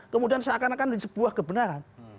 kemudian seakan akan ini sebuah kebenaran